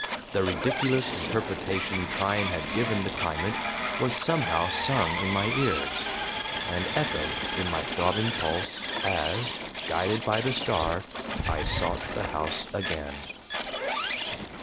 The ridiculous interpretation Tryan had given the climate was somehow sung in my ears, and echoed in my throbbing pulse as, guided by the star, I sought the house again.